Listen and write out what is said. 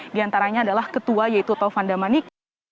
diantaranya adalah ketua yaitu taufan damanik